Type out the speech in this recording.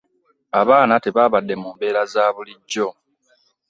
Abaana tebabadde mu mbeera za bulijjo.